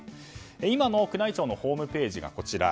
今の宮内庁のホームページがこちら。